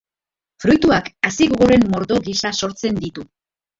Fruituak hazi gogorren mordo gisa sortzen ditu.